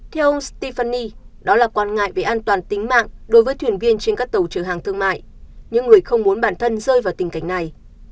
theo ông stepheny đó là quan ngại về an toàn tính mạng đối với thuyền viên trên các tàu chở hàng thương mại những người không muốn bản thân rơi vào tình cảnh này